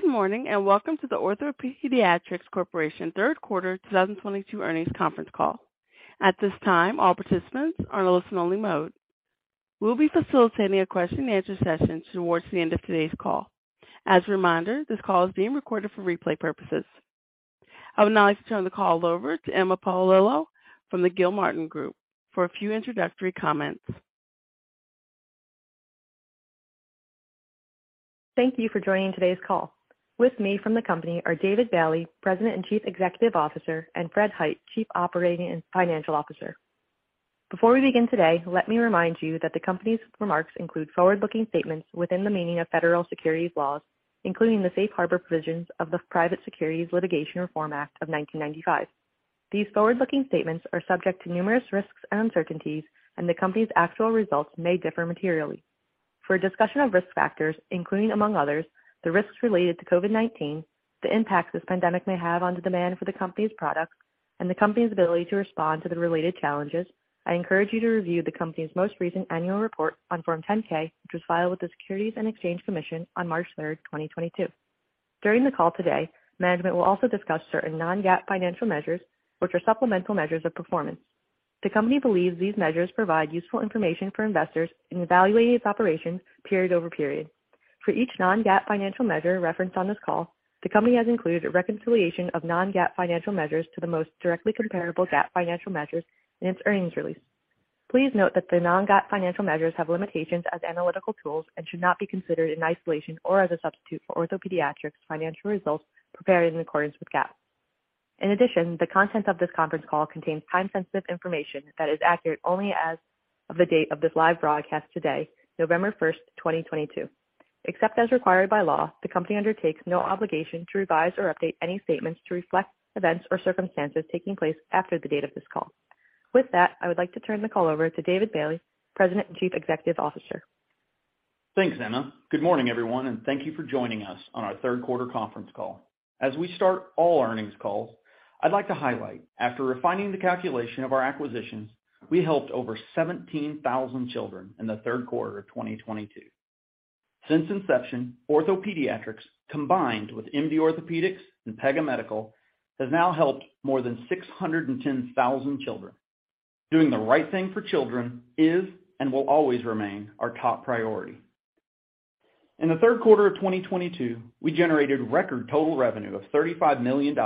Good morning, and welcome to the OrthoPediatrics Corp. third quarter 2022 earnings conference call. At this time, all participants are in a listen only mode. We'll be facilitating a question and answer session towards the end of today's call. As a reminder, this call is being recorded for replay purposes. I would now like to turn the call over to Emma Poalillo from the Gilmartin Group for a few introductory comments. Thank you for joining today's call. With me from the company are David Bailey, President and Chief Executive Officer, and Fred Hite, Chief Operating and Financial Officer. Before we begin today, let me remind you that the company's remarks include forward-looking statements within the meaning of federal securities laws, including the Safe Harbor provisions of the Private Securities Litigation Reform Act of 1995. These forward-looking statements are subject to numerous risks and uncertainties, and the company's actual results may differ materially. For a discussion of risk factors, including, among others, the risks related to COVID-19, the impact this pandemic may have on the demand for the company's products and the company's ability to respond to the related challenges, I encourage you to review the company's most recent annual report on Form 10-K, which was filed with the Securities and Exchange Commission on March 3rd, 2022. During the call today, management will also discuss certain non-GAAP financial measures which are supplemental measures of performance. The company believes these measures provide useful information for investors in evaluating its operations period over period. For each non-GAAP financial measure referenced on this call, the company has included a reconciliation of non-GAAP financial measures to the most directly comparable GAAP financial measure in its earnings release. Please note that the non-GAAP financial measures have limitations as analytical tools and should not be considered in isolation or as a substitute for OrthoPediatrics' financial results prepared in accordance with GAAP. In addition, the content of this conference call contains time-sensitive information that is accurate only as of the date of this live broadcast today, November 1, 2022. Except as required by law, the company undertakes no obligation to revise or update any statements to reflect events or circumstances taking place after the date of this call. With that, I would like to turn the call over to David Bailey, President and Chief Executive Officer. Thanks, Emma. Good morning, everyone, and thank you for joining us on our third quarter conference call. As we start all earnings calls, I'd like to highlight, after refining the calculation of our acquisitions, we helped over 17,000 children in the third quarter of 2022. Since inception, OrthoPediatrics, combined with MD Orthopaedics and Pega Medical, has now helped more than 610,000 children. Doing the right thing for children is and will always remain our top priority. In the third quarter of 2022, we generated record total revenue of $35 million,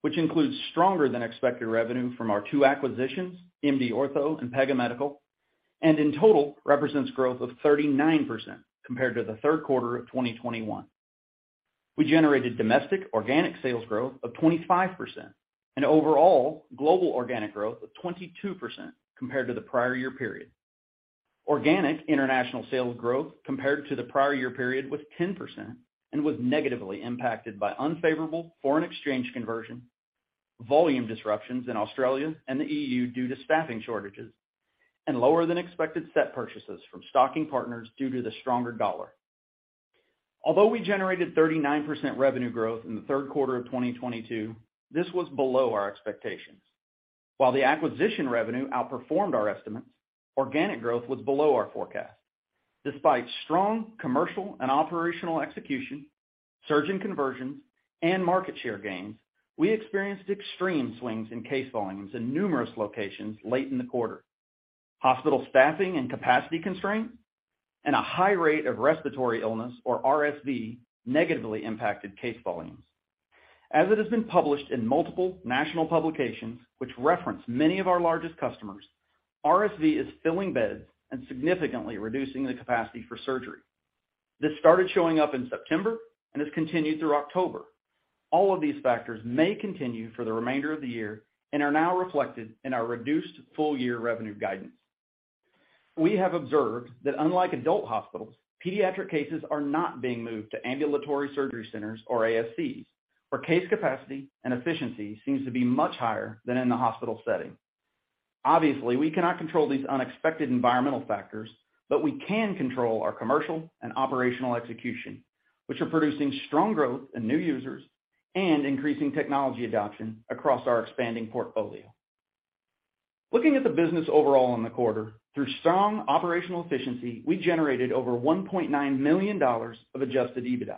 which includes stronger than expected revenue from our two acquisitions, MD Ortho and Pega Medical, and in total represents growth of 39% compared to the third quarter of 2021. We generated domestic organic sales growth of 25% and overall global organic growth of 22% compared to the prior year period. Organic international sales growth compared to the prior year period was 10% and was negatively impacted by unfavorable foreign exchange conversion, volume disruptions in Australia and the EU due to staffing shortages, and lower than expected set purchases from stocking partners due to the stronger dollar. Although we generated 39% revenue growth in the third quarter of 2022, this was below our expectations. While the acquisition revenue outperformed our estimates, organic growth was below our forecast. Despite strong commercial and operational execution, surgeon conversions, and market share gains, we experienced extreme swings in case volumes in numerous locations late in the quarter. Hospital staffing and capacity constraints and a high rate of respiratory illness, or RSV, negatively impacted case volumes. As it has been published in multiple national publications which reference many of our largest customers, RSV is filling beds and significantly reducing the capacity for surgery. This started showing up in September and has continued through October. All of these factors may continue for the remainder of the year and are now reflected in our reduced full year revenue guidance. We have observed that unlike adult hospitals, pediatric cases are not being moved to ambulatory surgery centers or ASCs, where case capacity and efficiency seems to be much higher than in the hospital setting. Obviously, we cannot control these unexpected environmental factors, but we can control our commercial and operational execution, which are producing strong growth in new users and increasing technology adoption across our expanding portfolio. Looking at the business overall in the quarter, through strong operational efficiency, we generated over $1.9 million of adjusted EBITDA.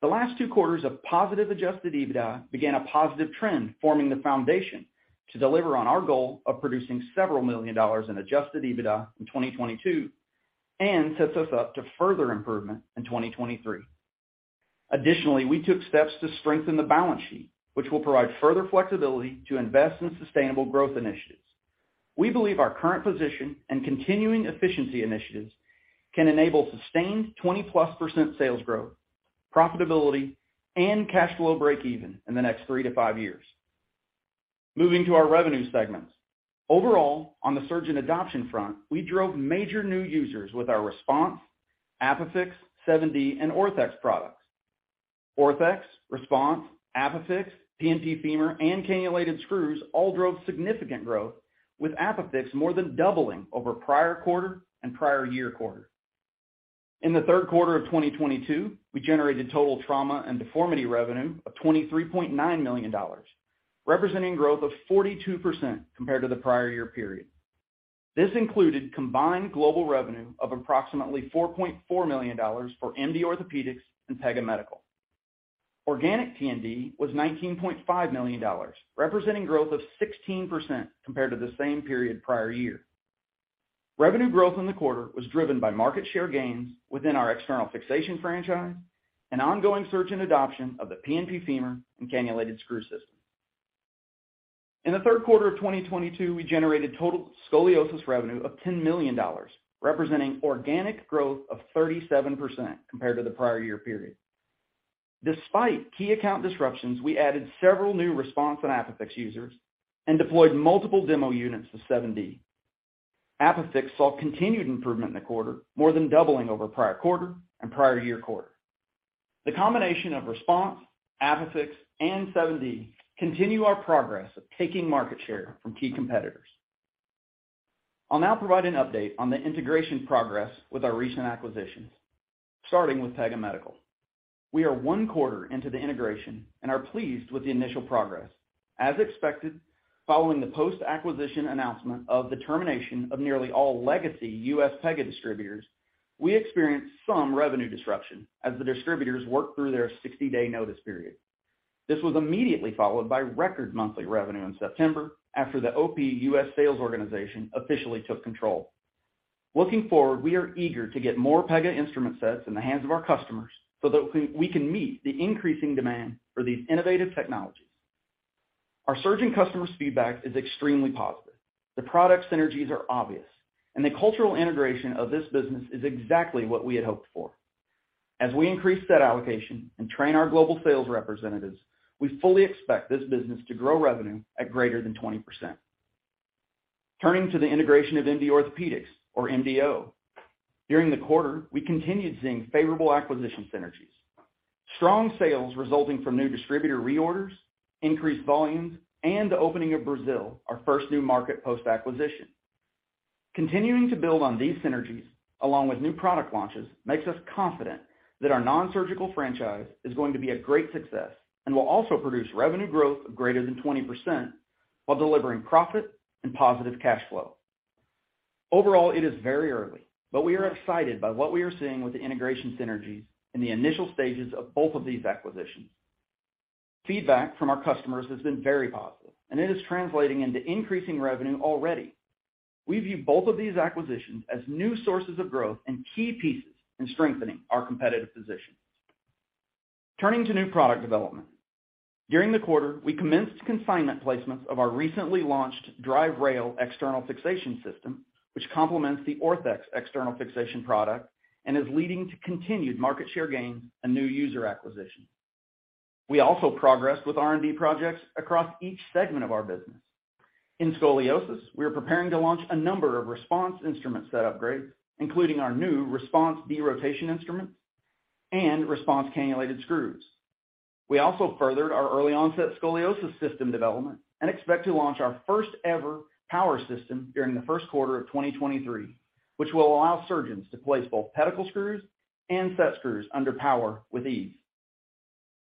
The last two quarters of positive adjusted EBITDA began a positive trend, forming the foundation to deliver on our goal of producing several million dollars in adjusted EBITDA in 2022 and sets us up to further improvement in 2023. Additionally, we took steps to strengthen the balance sheet, which will provide further flexibility to invest in sustainable growth initiatives. We believe our current position and continuing efficiency initiatives can enable sustained 20%+ sales growth, profitability, and cash flow break even in the next three to five years. Moving to our revenue segments. Overall, on the surgeon adoption front, we drove major new users with our RESPONSE, ApiFix, 7D, and ORTHEX products. ORTHEX, RESPONSE, ApiFix, PNP Femur, and Cannulated Screws all drove significant growth, with ApiFix more than doubling over prior quarter and prior year quarter. In the third quarter of 2022, we generated total trauma and deformity revenue of $23.9 million, representing growth of 42% compared to the prior year period. This included combined global revenue of approximately $4.4 million for MD Orthopaedics and Pega Medical. Organic T&D was $19.5 million, representing growth of 16% compared to the same period prior year. Revenue growth in the quarter was driven by market share gains within our external fixation franchise and ongoing surgeon adoption of the PNP Femur and cannulated screw system. In the third quarter of 2022, we generated total scoliosis revenue of $10 million, representing organic growth of 37% compared to the prior year period. Despite key account disruptions, we added several new RESPONSE and ApiFix users and deployed multiple demo units of 7D. ApiFix saw continued improvement in the quarter, more than doubling over prior quarter and prior year quarter. The combination of RESPONSE, ApiFix, and 7D continue our progress of taking market share from key competitors. I'll now provide an update on the integration progress with our recent acquisitions, starting with Pega Medical. We are one quarter into the integration and are pleased with the initial progress. As expected, following the post-acquisition announcement of the termination of nearly all legacy U.S. Pega distributors, we experienced some revenue disruption as the distributors worked through their 60-day notice period. This was immediately followed by record monthly revenue in September after the OP U.S. sales organization officially took control. Looking forward, we are eager to get more Pega instrument sets in the hands of our customers so that we can meet the increasing demand for these innovative technologies. Our surgeon customers' feedback is extremely positive. The product synergies are obvious, and the cultural integration of this business is exactly what we had hoped for. As we increase set allocation and train our global sales representatives, we fully expect this business to grow revenue at greater than 20%. Turning to the integration of MD Orthopaedics or MDO. During the quarter, we continued seeing favorable acquisition synergies. Strong sales resulting from new distributor reorders, increased volumes, and the opening of Brazil, our first new market post-acquisition. Continuing to build on these synergies, along with new product launches, makes us confident that our nonsurgical franchise is going to be a great success and will also produce revenue growth of greater than 20% while delivering profit and positive cash flow. Overall, it is very early, but we are excited by what we are seeing with the integration synergies in the initial stages of both of these acquisitions. Feedback from our customers has been very positive, and it is translating into increasing revenue already. We view both of these acquisitions as new sources of growth and key pieces in strengthening our competitive position. Turning to new product development. During the quarter, we commenced consignment placements of our recently launched DRIVE Rail external fixation system, which complements the ORTHEX external fixation product and is leading to continued market share gain and new user acquisition. We also progressed with R&D projects across each segment of our business. In scoliosis, we are preparing to launch a number of RESPONSE instrument set upgrades, including our new RESPONSE B rotation instruments and RESPONSE Cannulated Screws. We also furthered our early-onset scoliosis system development and expect to launch our first-ever power system during the first quarter of 2023, which will allow surgeons to place both pedicle screws and set screws under power with ease.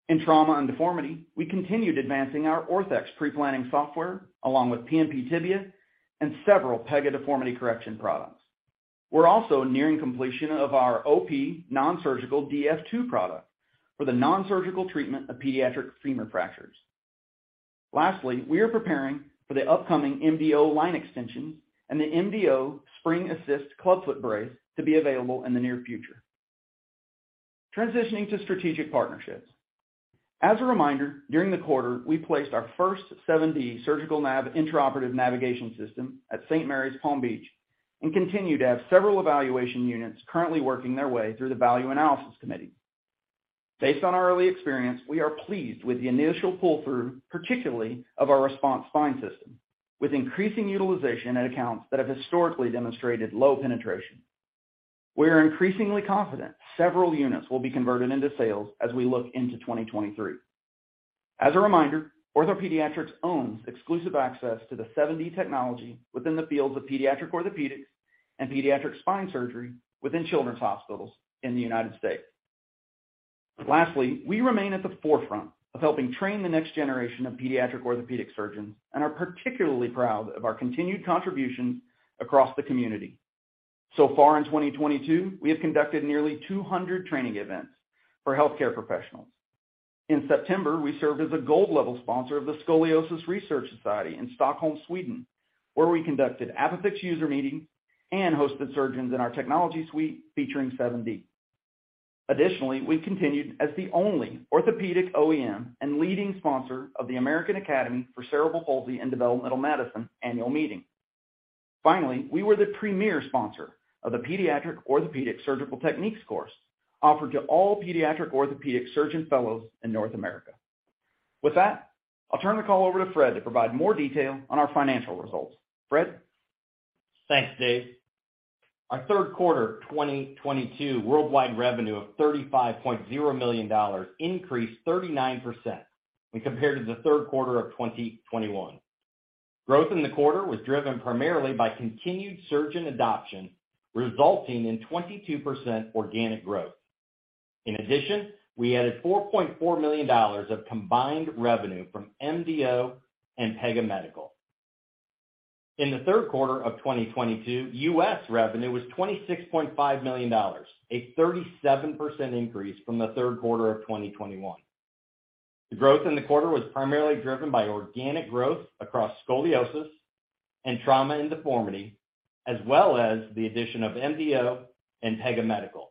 In trauma and deformity, we continued advancing our ORTHEX preplanning software along with PNP Tibia and several Pega deformity correction products. We're also nearing completion of our OP nonsurgical DF2 product for the nonsurgical treatment of pediatric femur fractures. Lastly, we are preparing for the upcoming MDO line extensions and the MDO spring assist clubfoot brace to be available in the near future. Transitioning to strategic partnerships. As a reminder, during the quarter, we placed our first 7D surgical navigation intraoperative navigation system at St. Mary's Palm Beach and continue to have several evaluation units currently working their way through the Value Analysis Committee. Based on our early experience, we are pleased with the initial pull-through, particularly of our RESPONSE spine system, with increasing utilization in accounts that have historically demonstrated low penetration. We are increasingly confident several units will be converted into sales as we look into 2023. As a reminder, OrthoPediatrics owns exclusive access to the 7D technology within the fields of pediatric orthopedics and pediatric spine surgery within children's hospitals in the United States. Lastly, we remain at the forefront of helping train the next generation of pediatric orthopedic surgeons and are particularly proud of our continued contributions across the community. So far in 2022, we have conducted nearly 200 training events for healthcare professionals. In September, we served as a gold-level sponsor of the Scoliosis Research Society in Stockholm, Sweden, where we conducted ApiFix user meeting and hosted surgeons in our technology suite featuring 7D. Additionally, we continued as the only orthopedic OEM and leading sponsor of the American Academy for Cerebral Palsy and Developmental Medicine annual meeting. Finally, we were the premier sponsor of the Pediatric Orthopedic Surgical Techniques course offered to all pediatric orthopedic surgeon fellows in North America. With that, I'll turn the call over to Fred to provide more detail on our financial results. Fred? Thanks, Dave. Our third quarter 2022 worldwide revenue of $35.0 million increased 39% when compared to the third quarter of 2021. Growth in the quarter was driven primarily by continued surgeon adoption, resulting in 22% organic growth. In addition, we added $4.4 million of combined revenue from MDO and Pega Medical. In the third quarter of 2022, U.S. revenue was $26.5 million, a 37% increase from the third quarter of 2021. The growth in the quarter was primarily driven by organic growth across scoliosis and trauma and deformity, as well as the addition of MDO and Pega Medical.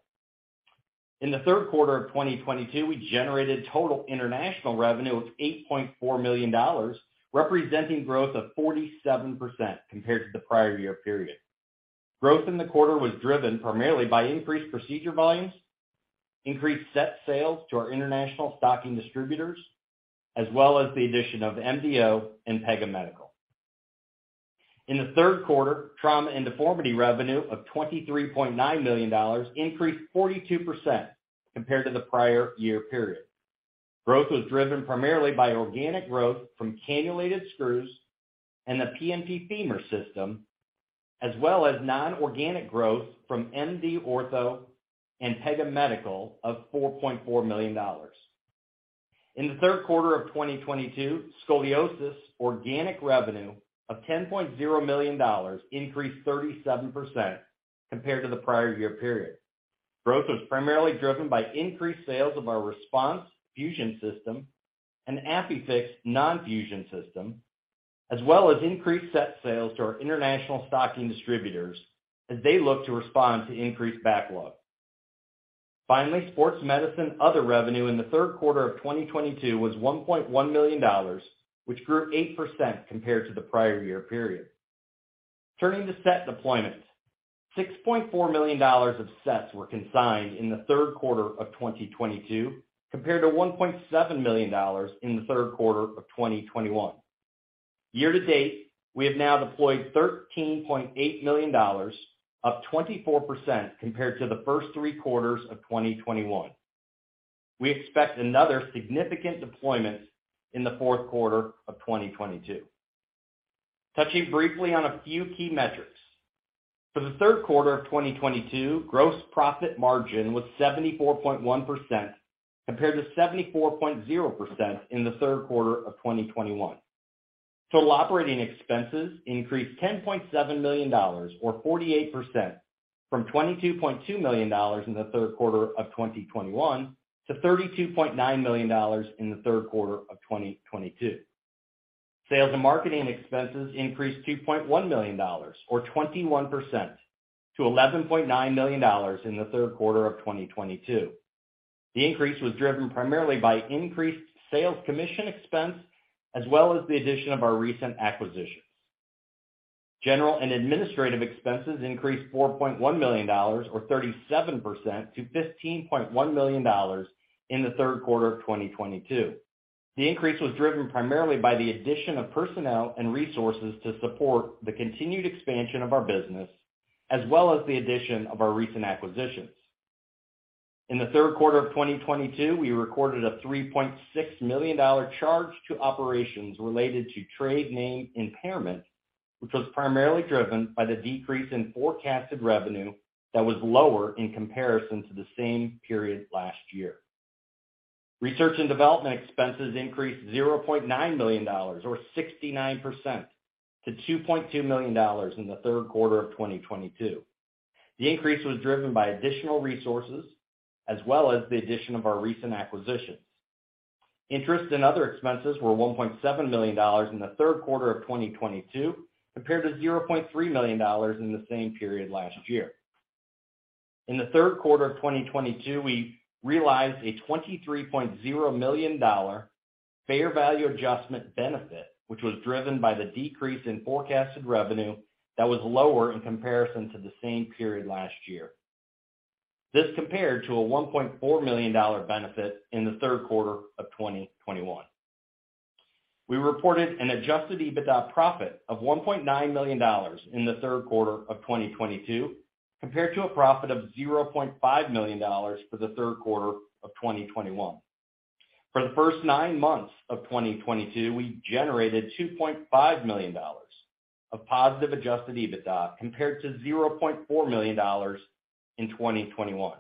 In the third quarter of 2022, we generated total international revenue of $8.4 million, representing growth of 47% compared to the prior year period. Growth in the quarter was driven primarily by increased procedure volumes, increased set sales to our international stocking distributors, as well as the addition of MDO and Pega Medical. In the third quarter, Trauma & Deformity revenue of $23.9 million increased 42% compared to the prior year period. Growth was driven primarily by organic growth from Cannulated Screws and the PNP Femur system, as well as non-organic growth from MD Ortho and Pega Medical of $4.4 million. In the third quarter of 2022, scoliosis organic revenue of $10.0 million increased 37% compared to the prior year period. Growth was primarily driven by increased sales of our RESPONSE fusion system and ApiFix non-fusion system, as well as increased set sales to our international stocking distributors as they look to respond to increased backlog. Finally, sports medicine other revenue in the third quarter of 2022 was $1.1 million, which grew 8% compared to the prior year period. Turning to set deployments, $6.4 million of sets were consigned in the third quarter of 2022 compared to $1.7 million in the third quarter of 2021. Year to date, we have now deployed $13.8 million, up 24% compared to the first three quarters of 2021. We expect another significant deployment in the fourth quarter of 2022. Touching briefly on a few key metrics. For the third quarter of 2022, gross profit margin was 74.1% compared to 74.0% in the third quarter of 2021. Total operating expenses increased $10.7 million or 48% from $22.2 million in the third quarter of 2021 to $32.9 million in the third quarter of 2022. Sales and marketing expenses increased $2.1 million or 21% to $11.9 million in the third quarter of 2022. The increase was driven primarily by increased sales commission expense as well as the addition of our recent acquisitions. General and administrative expenses increased $4.1 million or 37% to $15.1 million in the third quarter of 2022. The increase was driven primarily by the addition of personnel and resources to support the continued expansion of our business as well as the addition of our recent acquisitions. In the third quarter of 2022, we recorded a $3.6 million charge to operations related to trade name impairment, which was primarily driven by the decrease in forecasted revenue that was lower in comparison to the same period last year. Research and development expenses increased $0.9 million or 69% to $2.2 million in the third quarter of 2022. The increase was driven by additional resources as well as the addition of our recent acquisitions. Interest and other expenses were $1.7 million in the third quarter of 2022 compared to $0.3 million in the same period last year. In the third quarter of 2022, we realized a $23.0 million fair value adjustment benefit, which was driven by the decrease in forecasted revenue that was lower in comparison to the same period last year. This compared to a $1.4 million benefit in the third quarter of 2021. We reported an adjusted EBITDA profit of $1.9 million in the third quarter of 2022 compared to a profit of $0.5 million for the third quarter of 2021. For the first nine months of 2022, we generated $2.5 million of positive adjusted EBITDA compared to $0.4 million in 2021.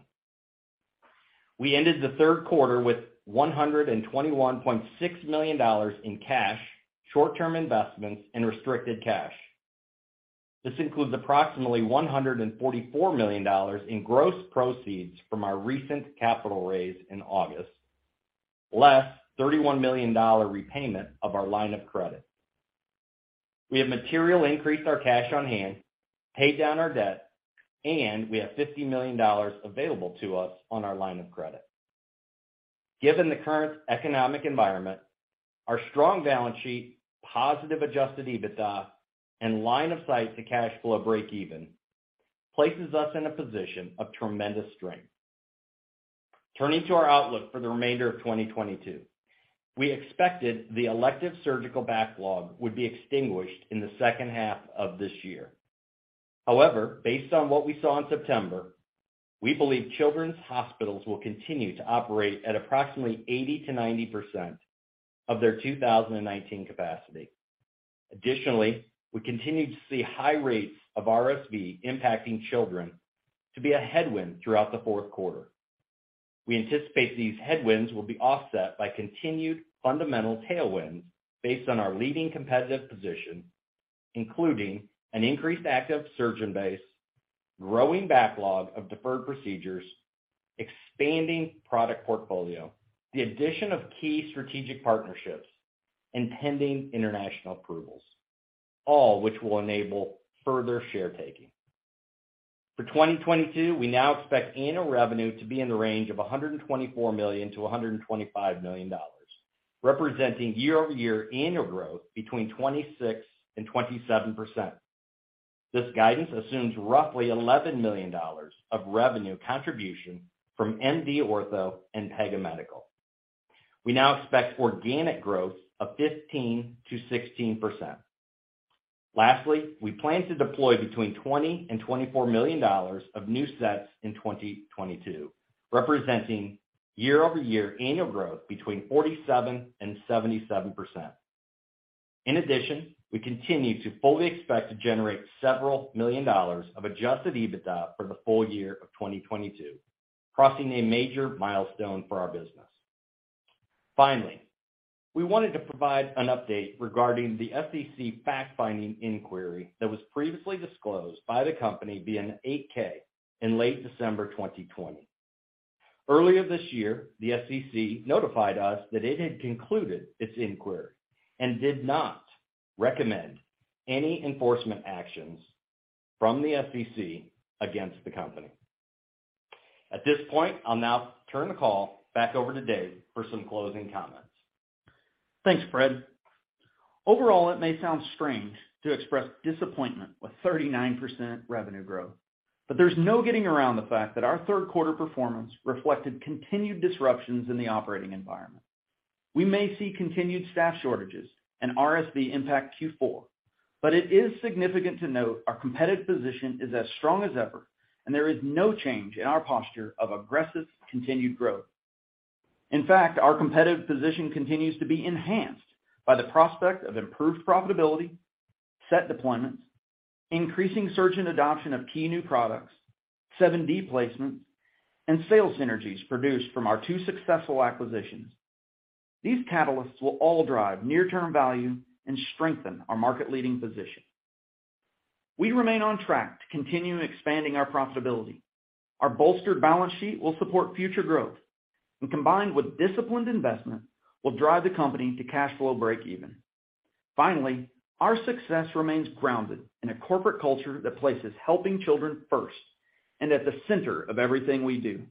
We ended the third quarter with $121.6 million in cash, short-term investments and restricted cash. This includes approximately $144 million in gross proceeds from our recent capital raise in August, less $31 million repayment of our line of credit. We have materially increased our cash on hand, paid down our debt, and we have $50 million available to us on our line of credit. Given the current economic environment, our strong balance sheet, positive adjusted EBITDA and line of sight to cash flow break even places us in a position of tremendous strength. Turning to our outlook for the remainder of 2022. We expected the elective surgical backlog would be extinguished in the second half of this year. However, based on what we saw in September, we believe children's hospitals will continue to operate at approximately 80%-90% of their 2019 capacity. Additionally, we continue to see high rates of RSV impacting children to be a headwind throughout the fourth quarter. We anticipate these headwinds will be offset by continued fundamental tailwinds based on our leading competitive position, including an increased active surgeon base, growing backlog of deferred procedures, expanding product portfolio, the addition of key strategic partnerships, and pending international approvals, all which will enable further share taking. For 2022, we now expect annual revenue to be in the range of $124 million-$125 million, representing year-over-year annual growth between 26% and 27%. This guidance assumes roughly $11 million of revenue contribution from MD Ortho and Pega Medical. We now expect organic growth of 15%-16%. We plan to deploy between $20 million and $24 million of new sets in 2022, representing year-over-year annual growth between 47% and 77%. We continue to fully expect to generate several million dollars of adjusted EBITDA for the full year of 2022, crossing a major milestone for our business. We wanted to provide an update regarding the SEC fact-finding inquiry that was previously disclosed by the company via an 8-K in late December 2020. Earlier this year, the SEC notified us that it had concluded its inquiry and did not recommend any enforcement actions from the SEC against the company. At this point, I'll now turn the call back over to Dave for some closing comments. Thanks, Fred. Overall, it may sound strange to express disappointment with 39% revenue growth, but there's no getting around the fact that our third quarter performance reflected continued disruptions in the operating environment. We may see continued staff shortages and RSV impact Q4, but it is significant to note our competitive position is as strong as ever, and there is no change in our posture of aggressive continued growth. In fact, our competitive position continues to be enhanced by the prospect of improved profitability, set deployments, increasing surgeon adoption of key new products, 7D placements, and sales synergies produced from our two successful acquisitions. These catalysts will all drive near-term value and strengthen our market-leading position. We remain on track to continue expanding our profitability. Our bolstered balance sheet will support future growth, and combined with disciplined investment, will drive the company to cash flow breakeven. Finally, our success remains grounded in a corporate culture that places helping children first and at the center of everything we do.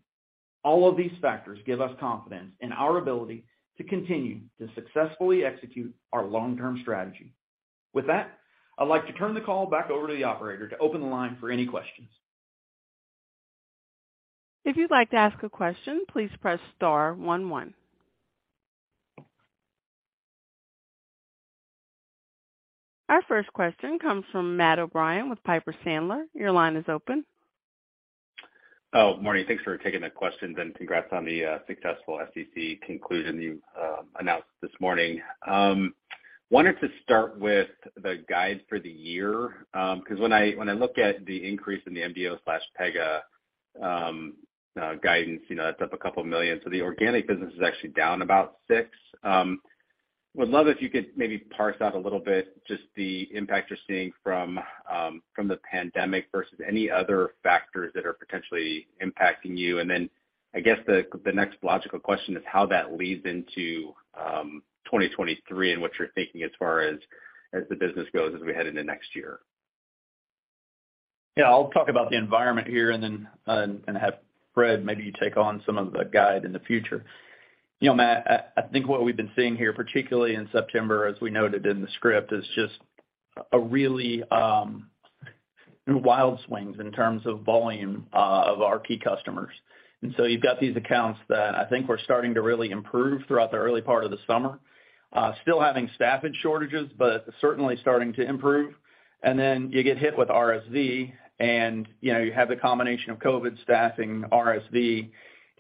All of these factors give us confidence in our ability to continue to successfully execute our long-term strategy. With that, I'd like to turn the call back over to the operator to open the line for any questions. If you'd like to ask a question, please press star one. Our first question comes from Matt O'Brien with Piper Sandler. Your line is open. Morning. Thanks for taking the questions, and congrats on the successful SEC conclusion you announced this morning. Wanted to start with the guidance for the year, 'cause when I look at the increase in the MDO/Pega guidance, you know, that's up $2 million. So the organic business is actually down about $6 million. Would love if you could maybe parse out a little bit just the impact you're seeing from the pandemic versus any other factors that are potentially impacting you. Then I guess the next logical question is how that leads into 2023 and what you're thinking as far as the business goes as we head into next year. Yeah, I'll talk about the environment here and then have Fred maybe take on some of the guide in the future. You know, Matt, I think what we've been seeing here, particularly in September, as we noted in the script, is just a really wild swings in terms of volume of our key customers. You've got these accounts that I think were starting to really improve throughout the early part of the summer, still having staffing shortages, but certainly starting to improve. You get hit with RSV, and you know, you have the combination of COVID staffing, RSV,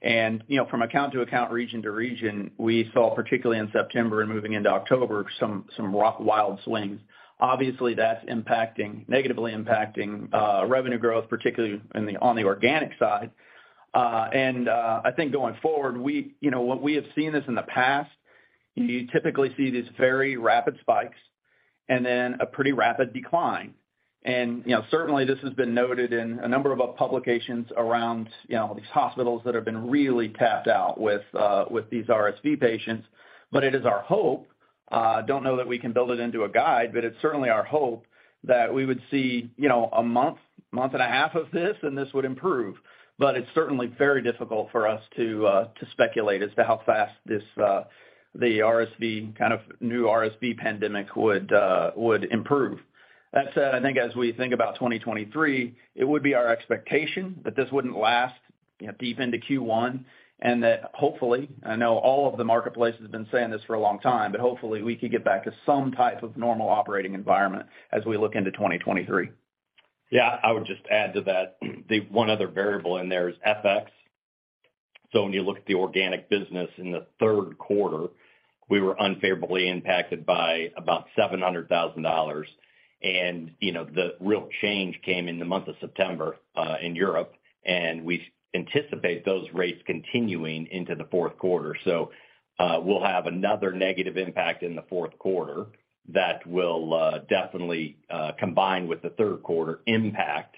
and you know, from account to account, region to region, we saw, particularly in September and moving into October, some rough wild swings. Obviously, that's negatively impacting revenue growth, particularly on the organic side. I think going forward, you know, what we have seen in the past. You typically see these very rapid spikes and then a pretty rapid decline. You know, certainly this has been noted in a number of publications around, you know, these hospitals that have been really tapped out with these RSV patients. It is our hope, don't know that we can build it into a guide, but it's certainly our hope that we would see, you know, a month and a half of this, and this would improve. It's certainly very difficult for us to speculate as to how fast this, the RSV, kind of new RSV pandemic would improve. That said, I think as we think about 2023, it would be our expectation that this wouldn't last, you know, deep into Q1, and that hopefully, I know all of the marketplace has been saying this for a long time, but hopefully, we could get back to some type of normal operating environment as we look into 2023. Yeah, I would just add to that the one other variable in there is FX. When you look at the organic business in the third quarter, we were unfavorably impacted by about $700,000. You know, the real change came in the month of September in Europe, and we anticipate those rates continuing into the fourth quarter. We'll have another negative impact in the fourth quarter that will definitely combine with the third quarter impact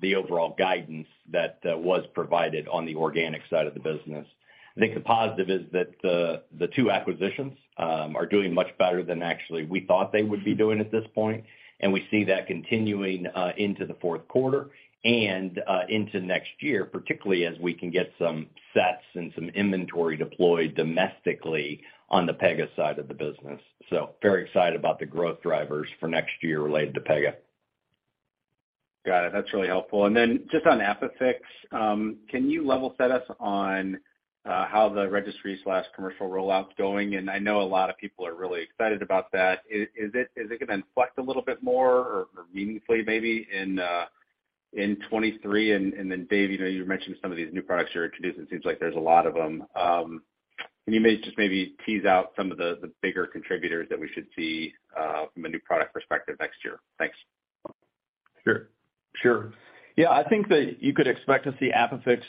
the overall guidance that was provided on the organic side of the business. I think the positive is that the two acquisitions are doing much better than actually we thought they would be doing at this point, and we see that continuing into the fourth quarter and into next year, particularly as we can get some sets and some inventory deployed domestically on the Pega side of the business. Very excited about the growth drivers for next year related to Pega. Got it. That's really helpful. Just on ApiFix, can you level set us on how the registry's last commercial rollout's going? I know a lot of people are really excited about that. Is it gonna inflect a little bit more or meaningfully maybe in 2023? Dave, you know, you mentioned some of these new products you're introducing. It seems like there's a lot of them. Can you just maybe tease out some of the bigger contributors that we should see from a new product perspective next year? Thanks. Sure. Yeah. I think that you could expect to see ApiFix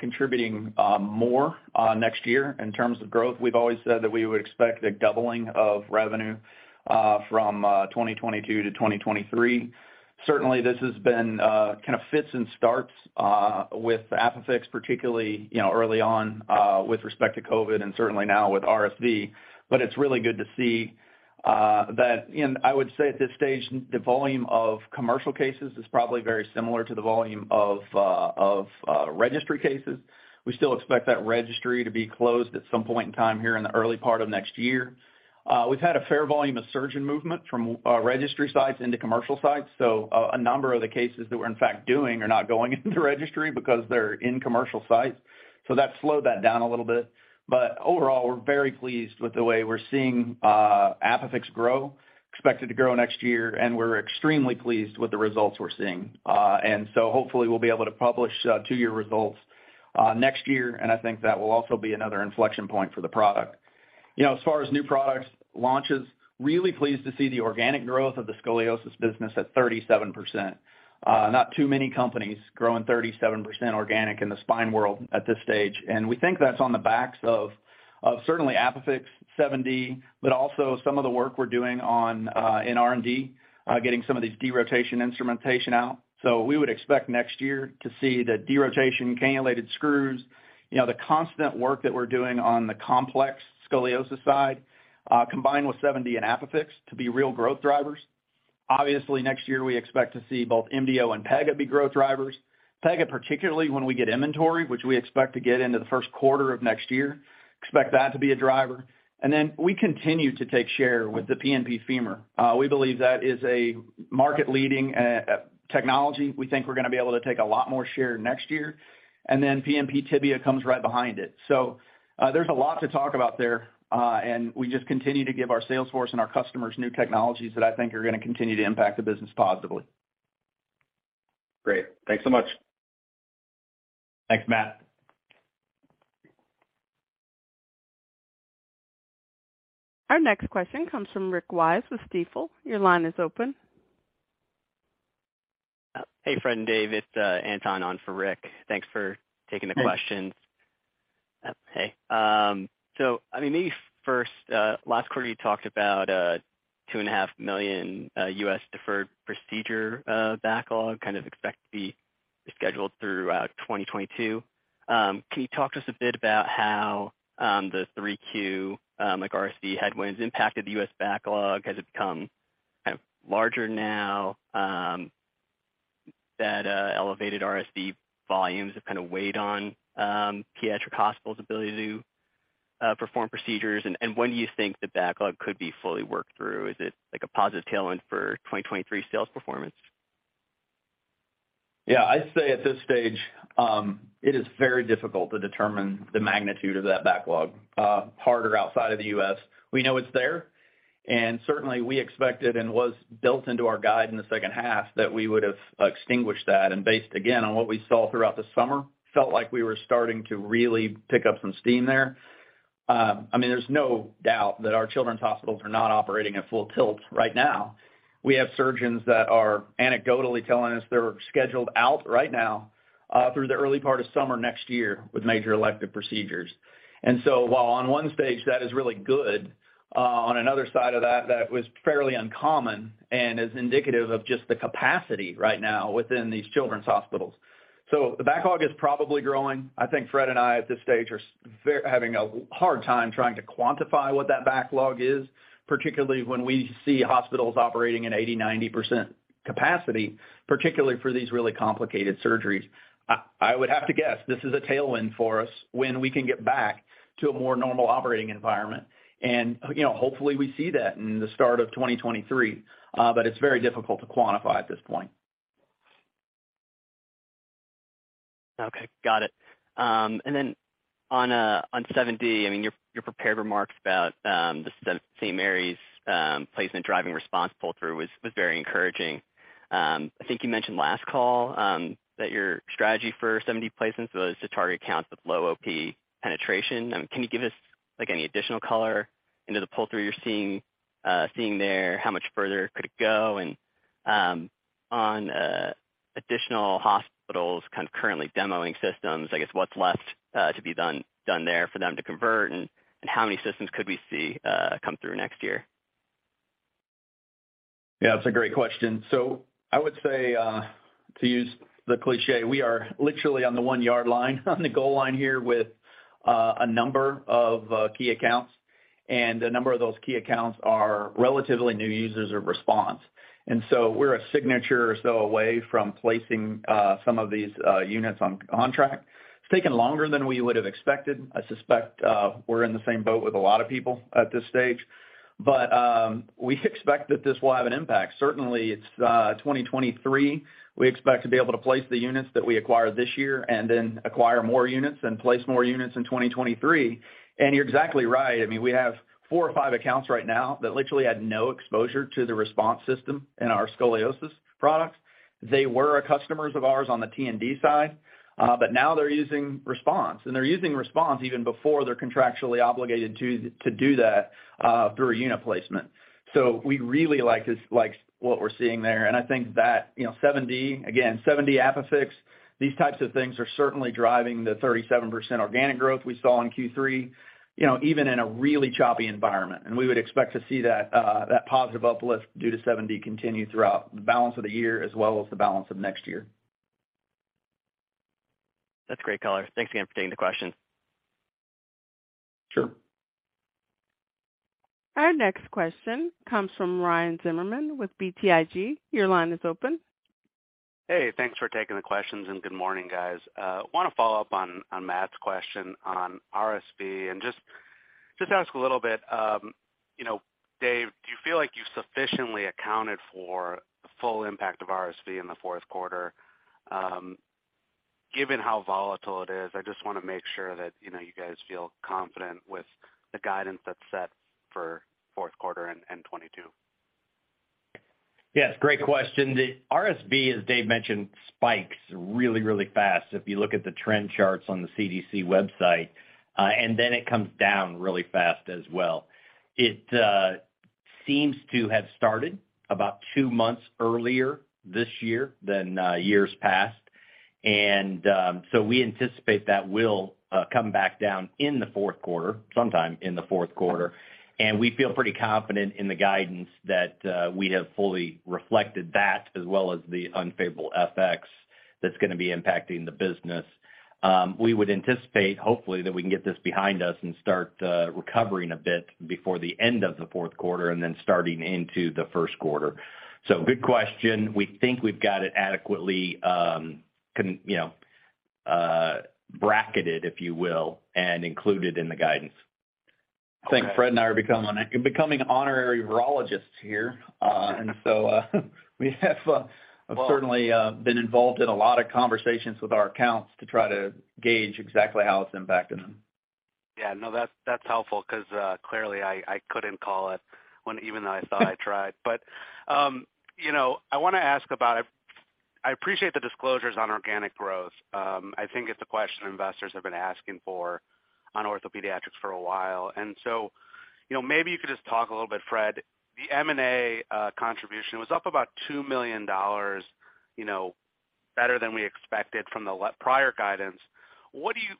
contributing more next year in terms of growth. We've always said that we would expect a doubling of revenue from 2022 to 2023. Certainly, this has been kind of fits and starts with ApiFix particularly, you know, early on with respect to COVID and certainly now with RSV. But it's really good to see that and I would say at this stage, the volume of commercial cases is probably very similar to the volume of registry cases. We still expect that registry to be closed at some point in time here in the early part of next year. We've had a fair volume of surgeon movement from registry sites into commercial sites. A number of the cases that we're in fact doing are not going into registry because they're in commercial sites. That slowed that down a little bit. But overall, we're very pleased with the way we're seeing ApiFix grow. Expect it to grow next year. We're extremely pleased with the results we're seeing. Hopefully we'll be able to publish two-year results next year. I think that will also be another inflection point for the product. You know, as far as new products launches, really pleased to see the organic growth of the scoliosis business at 37%. Not too many companies growing 37% organic in the spine world at this stage. We think that's on the backs of of certainly ApiFix, 7D, but also some of the work we're doing on in R&D getting some of these derotation instrumentation out. We would expect next year to see the derotation cannulated screws, you know, the constant work that we're doing on the complex scoliosis side combined with 7D and ApiFix to be real growth drivers. Obviously, next year we expect to see both MDO and Pega be growth drivers. Pega, particularly when we get inventory, which we expect to get into the first quarter of next year, expect that to be a driver. We continue to take share with the PNP Femur. We believe that is a market leading technology. We think we're gonna be able to take a lot more share next year. PNP Tibia comes right behind it. There's a lot to talk about there, and we just continue to give our sales force and our customers new technologies that I think are gonna continue to impact the business positively. Great. Thanks so much. Thanks, Matt. Our next question comes from Rick Wise with Stifel. Your line is open. Hey, Fred and Dave. It's Anton on for Rick. Thanks for taking the questions. Hey. Hey. So I mean, maybe first, last quarter you talked about $2.5 million US deferred procedure backlog, kind of expect to be scheduled through 2022. Can you talk to us a bit about how the Q3 like RSV headwinds impacted the US backlog? Has it become kind of larger now that elevated RSV volumes have kind of weighed on pediatric hospitals' ability to perform procedures? And when do you think the backlog could be fully worked through? Is it like a positive tailwind for 2023 sales performance? Yeah. I'd say at this stage, it is very difficult to determine the magnitude of that backlog, harder outside of the U.S. We know it's there, and certainly we expected and was built into our guide in the second half that we would have extinguished that. Based again on what we saw throughout the summer, felt like we were starting to really pick up some steam there. I mean, there's no doubt that our children's hospitals are not operating at full tilt right now. We have surgeons that are anecdotally telling us they're scheduled out right now through the early part of summer next year with major elective procedures. While on one stage that is really good, on another side of that was fairly uncommon and is indicative of just the capacity right now within these children's hospitals. The backlog is probably growing. I think Fred and I at this stage are having a hard time trying to quantify what that backlog is, particularly when we see hospitals operating at 80%-90% capacity, particularly for these really complicated surgeries. I would have to guess this is a tailwind for us when we can get back to a more normal operating environment. You know, hopefully we see that in the start of 2023. But it's very difficult to quantify at this point. Okay. Got it. On 7D, I mean, your prepared remarks about the St. Mary's placement driving response pull-through was very encouraging. I think you mentioned last call that your strategy for 7D placements was to target accounts with low OP penetration. Can you give us, like, any additional color into the pull-through you're seeing there? How much further could it go? On additional hospitals kind of currently demoing systems, I guess, what's left to be done there for them to convert and how many systems could we see come through next year? Yeah, that's a great question. I would say, to use the cliché, we are literally on the one yard line on the goal line here with a number of key accounts. A number of those key accounts are relatively new users of RESPONSE. We're a signature or so away from placing some of these units on track. It's taken longer than we would have expected. I suspect we're in the same boat with a lot of people at this stage. We expect that this will have an impact. Certainly it's 2023, we expect to be able to place the units that we acquire this year and then acquire more units and place more units in 2023. You're exactly right. I mean, we have four or five accounts right now that literally had no exposure to the RESPONSE system in our scoliosis products. They were customers of ours on the T&D side, but now they're using RESPONSE. They're using RESPONSE even before they're contractually obligated to do that through a unit placement. We really like what we're seeing there. I think that, you know, 7D, again, 7D ApiFix, these types of things are certainly driving the 37% organic growth we saw in Q3, you know, even in a really choppy environment. We would expect to see that positive uplift due to 7D continue throughout the balance of the year as well as the balance of next year. That's great color. Thanks again for taking the question. Sure. Our next question comes from Ryan Zimmerman with BTIG. Your line is open. Hey, thanks for taking the questions and good morning, guys. Want to follow up on Matt's question on RSV and just ask a little bit. You know, Dave, do you feel like you sufficiently accounted for the full impact of RSV in the fourth quarter? Given how volatile it is, I just wanna make sure that, you know, you guys feel confident with the guidance that's set for fourth quarter and 2022. Yes, great question. The RSV, as Dave mentioned, spikes really, really fast if you look at the trend charts on the CDC website, and then it comes down really fast as well. It seems to have started about two months earlier this year than years past. We anticipate that will come back down in the fourth quarter, sometime in the fourth quarter. We feel pretty confident in the guidance that we have fully reflected that as well as the unfavorable FX that's gonna be impacting the business. We would anticipate hopefully that we can get this behind us and start recovering a bit before the end of the fourth quarter and then starting into the first quarter. Good question. We think we've got it adequately, you know, bracketed, if you will, and included in the guidance. Okay. I think Fred and I are becoming honorary virologists here. We have certainly been involved in a lot of conversations with our accounts to try to gauge exactly how it's impacting them. Yeah, no, that's helpful because clearly I couldn't call it when even though I thought I tried. You know, I wanna ask about. I appreciate the disclosures on organic growth. I think it's a question investors have been asking for on OrthoPediatrics for a while. You know, maybe you could just talk a little bit, Fred. The M&A contribution was up about $2 million, you know, better than we expected from the prior guidance.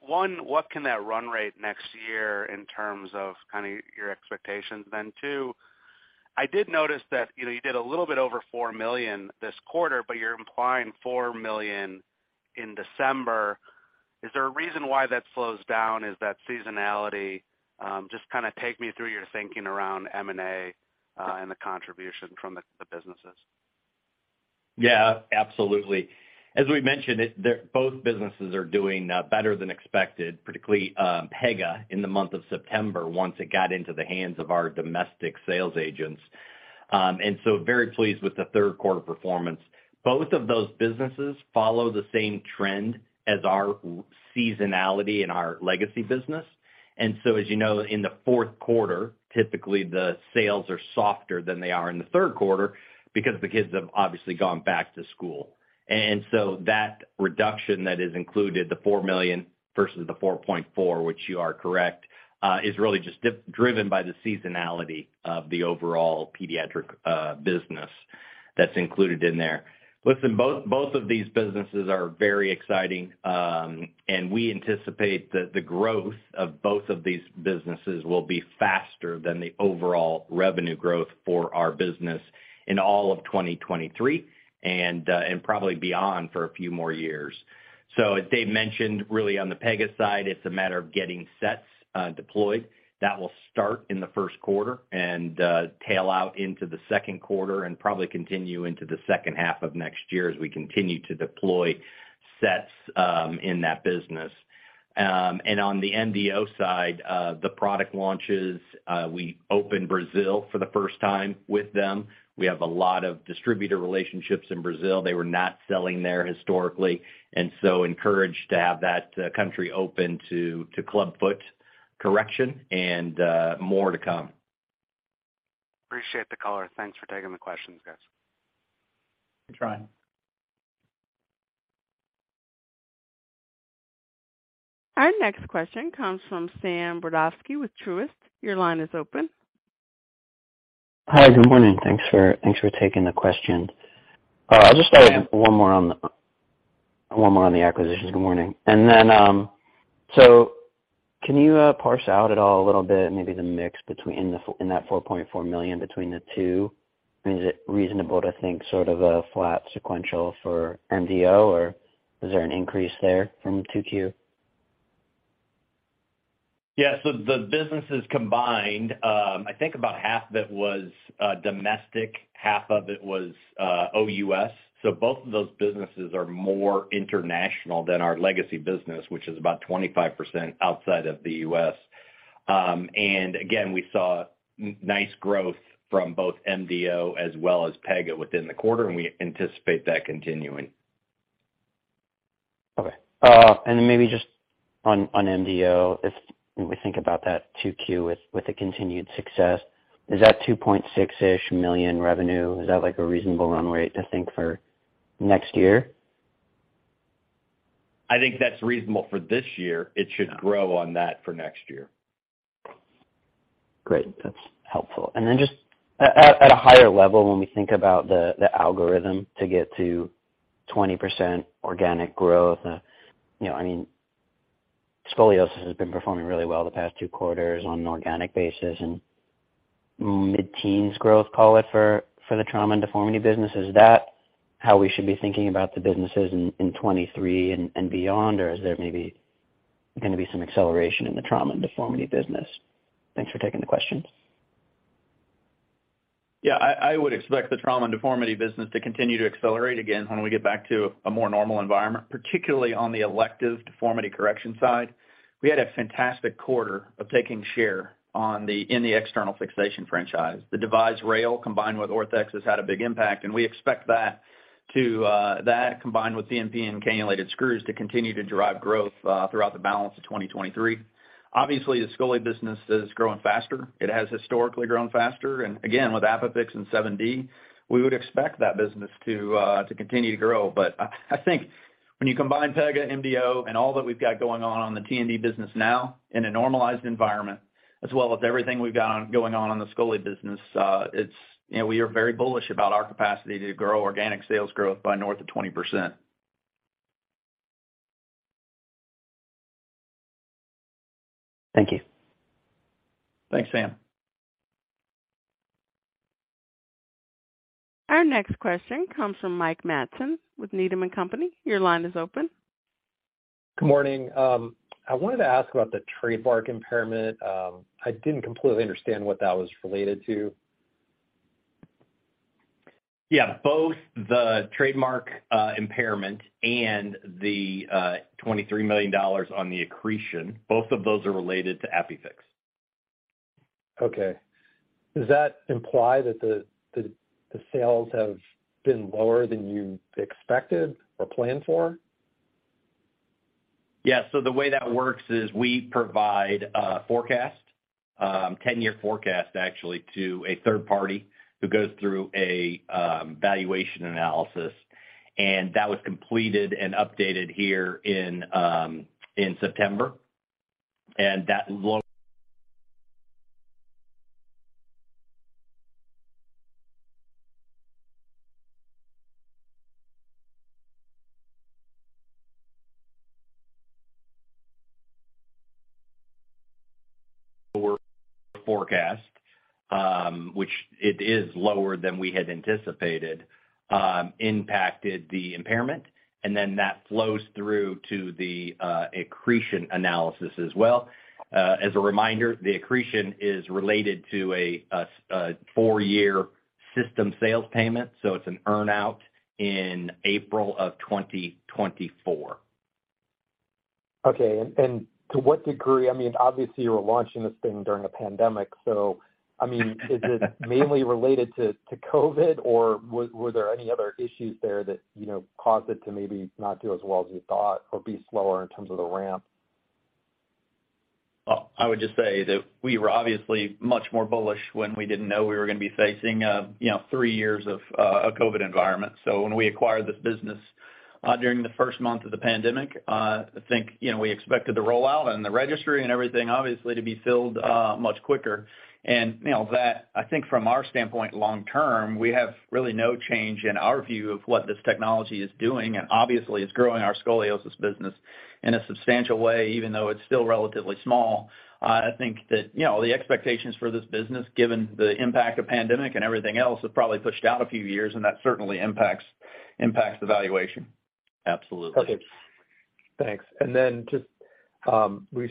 One, what can that run rate next year in terms of kind of your expectations then? Two, I did notice that, you know, you did a little bit over $4 million this quarter, but you're implying $4 million in December. Is there a reason why that slows down? Is that seasonality? Just kinda take me through your thinking around M&A and the contribution from the businesses. Yeah, absolutely. As we mentioned, both businesses are doing better than expected, particularly Pega in the month of September once it got into the hands of our domestic sales agents. Very pleased with the third quarter performance. Both of those businesses follow the same trend as our seasonality in our legacy business. As you know, in the fourth quarter, typically the sales are softer than they are in the third quarter because the kids have obviously gone back to school. That reduction that is included, the $4 million versus the $4.4 million, which you are correct, is really just driven by the seasonality of the overall pediatric business that's included in there. Listen, both of these businesses are very exciting, and we anticipate that the growth of both of these businesses will be faster than the overall revenue growth for our business in all of 2023 and probably beyond for a few more years. As Dave mentioned, really on the Pega side, it's a matter of getting sets deployed. That will start in the first quarter and tail out into the second quarter and probably continue into the second half of next year as we continue to deploy sets in that business. On the MDO side, the product launches. We opened Brazil for the first time with them. We have a lot of distributor relationships in Brazil. They were not selling there historically, and so encouraged to have that country open to clubfoot correction and more to come. Appreciate the color. Thanks for taking the questions, guys. Good try. Our next question comes from Sam Brodovsky with Truist. Your line is open. Hi. Good morning. Thanks for taking the question. I'll just start one more on the acquisitions. Good morning. Can you parse out at all a little bit maybe the mix between the two in that $4.4 million? Is it reasonable to think sort of a flat sequential for MDO, or is there an increase there from 2Q? Yeah. The businesses combined, I think about half of it was domestic, half of it was OUS. Both of those businesses are more international than our legacy business, which is about 25% outside of the US. Again, we saw nice growth from both MDO as well as Pega within the quarter, and we anticipate that continuing. Maybe just on MDO, if we think about that 2Q with the continued success, is that $2.6-ish million revenue a reasonable run rate to think for next year? I think that's reasonable for this year. It should grow on that for next year. Great. That's helpful. Just at a higher level, when we think about the algorithm to get to 20% organic growth, you know, I mean, Scoliosis has been performing really well the past two quarters on an organic basis and mid-teens growth, call it, for the Trauma and Deformity business. Is that how we should be thinking about the businesses in 2023 and beyond, or is there maybe going to be some acceleration in the Trauma and Deformity business? Thanks for taking the question. Yeah. I would expect the trauma and deformity business to continue to accelerate again when we get back to a more normal environment, particularly on the elective deformity correction side. We had a fantastic quarter of taking share in the external fixation franchise. The DRIVE Rail combined with ORTHEX has had a big impact, and we expect that combined with PNP and cannulated screws to continue to drive growth throughout the balance of 2023. Obviously, the Scoliosis business is growing faster. It has historically grown faster. Again, with ApiFix and 7D, we would expect that business to continue to grow. I think when you combine Pega, MDO, and all that we've got going on the T&D business now in a normalized environment, as well as everything we've got going on the Scoliosis business, it's, you know, we are very bullish about our capacity to grow organic sales growth by north of 20%. Thank you. Thanks, Sam. Our next question comes from Mike Matson with Needham & Company. Your line is open. Good morning. I wanted to ask about the trademark impairment. I didn't completely understand what that was related to. Yeah. Both the trademark impairment and the $23 million on the accretion, both of those are related to ApiFix. Okay. Does that imply that the sales have been lower than you expected or planned for? Yeah. The way that works is we provide a forecast, ten-year forecast, actually, to a third party who goes through a valuation analysis, and that was completed and updated here in September. That forecast, which it is lower than we had anticipated, impacted the impairment, and then that flows through to the accretion analysis as well. As a reminder, the accretion is related to a four-year system sales payment, so it's an earn out in April of 2024. Okay. To what degree, I mean, obviously, you were launching this thing during a pandemic, so I mean, is it mainly related to COVID, or were there any other issues there that, you know, caused it to maybe not do as well as you thought or be slower in terms of the ramp? Well, I would just say that we were obviously much more bullish when we didn't know we were gonna be facing, you know, three years of a COVID environment. When we acquired this business, during the first month of the pandemic, I think, you know, we expected the rollout and the registry and everything obviously to be filled much quicker. You know, that I think from our standpoint long term, we have really no change in our view of what this technology is doing, and obviously it's growing our scoliosis business in a substantial way, even though it's still relatively small. I think that, you know, the expectations for this business, given the impact of pandemic and everything else, have probably pushed out a few years, and that certainly impacts the valuation. Absolutely. Okay. Thanks. Just, we're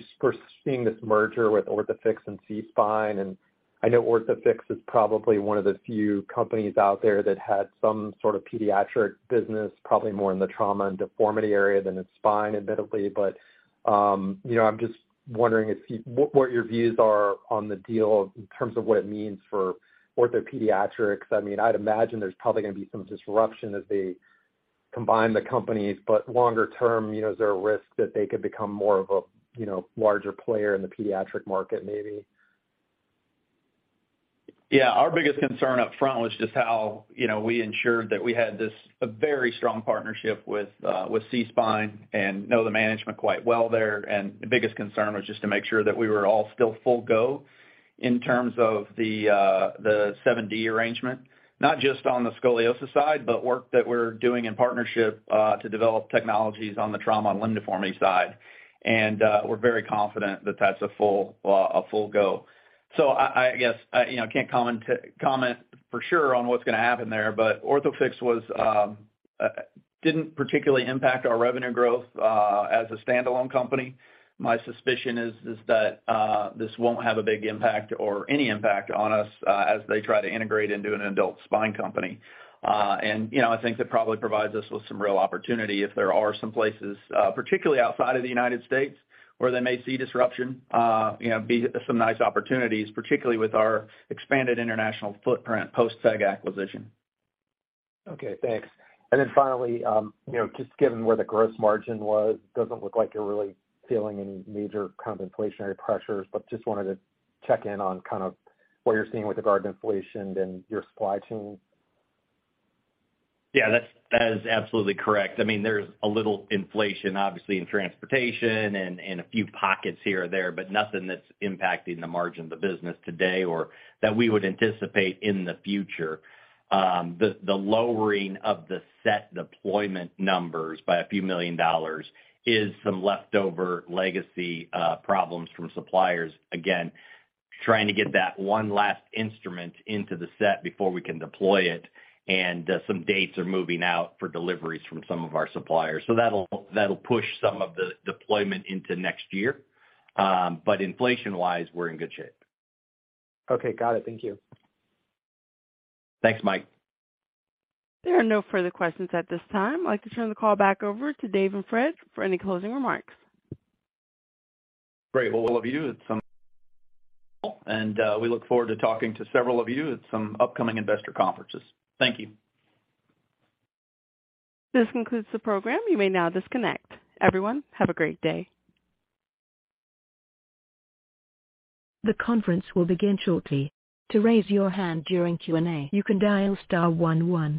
seeing this merger with Orthofix and SeaSpine, and I know Orthofix is probably one of the few companies out there that had some sort of pediatric business, probably more in the trauma and deformity area than in spine, admittedly. You know, I'm just wondering what your views are on the deal in terms of what it means for OrthoPediatrics. I mean, I'd imagine there's probably gonna be some disruption as they combine the companies, but longer term, you know, is there a risk that they could become more of a larger player in the pediatric market maybe? Yeah, our biggest concern up front was just how, you know, we ensured that we had a very strong partnership with SeaSpine and know the management quite well there. The biggest concern was just to make sure that we were all still full go in terms of the 7D arrangement, not just on the scoliosis side, but work that we're doing in partnership to develop technologies on the trauma and limb deformity side. We're very confident that that's a full go. I guess, you know, I can't comment for sure on what's gonna happen there, but Orthofix didn't particularly impact our revenue growth as a standalone company. My suspicion is that this won't have a big impact or any impact on us as they try to integrate into an adult spine company. You know, I think that probably provides us with some real opportunity if there are some places, particularly outside of the United States, where they may see disruption, you know, some nice opportunities, particularly with our expanded international footprint post Pega acquisition. Okay, thanks. Finally, you know, just given where the gross margin was, doesn't look like you're really feeling any major kind of inflationary pressures, but just wanted to check in on kind of what you're seeing with regard to inflation and your supply chain. Yeah, that is absolutely correct. I mean, there's a little inflation, obviously in transportation and a few pockets here or there, but nothing that's impacting the margin of the business today or that we would anticipate in the future. The lowering of the set deployment numbers by a few million dollars is some leftover legacy problems from suppliers. Again, trying to get that one last instrument into the set before we can deploy it. Some dates are moving out for deliveries from some of our suppliers. That'll push some of the deployment into next year. Inflation-wise, we're in good shape. Okay, got it. Thank you. Thanks, Mike. There are no further questions at this time. I'd like to turn the call back over to Dave and Fred for any closing remarks. Great. Well, all of you, we look forward to talking to several of you at some upcoming investor conferences. Thank you. This concludes the program. You may now disconnect. Everyone, have a great day. The conference will begin shortly. To raise your hand during Q&A, you can dial star one one.